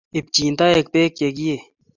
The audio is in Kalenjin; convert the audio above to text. Ipchi toek pek che kiei